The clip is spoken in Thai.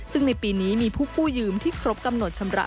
ซึ่งในปีนี้มีผู้กู้ยืมที่ครบกำหนดชำระ